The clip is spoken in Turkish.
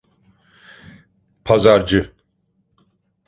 Pazarcı.